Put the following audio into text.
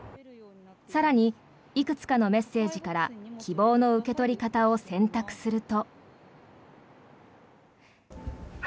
更に、いくつかのメッセージから希望の受け取り方を選択すると。